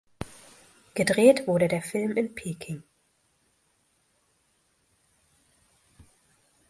Gedreht wurde der Film in Peking.